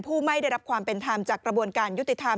ไม่ได้รับความเป็นธรรมจากกระบวนการยุติธรรม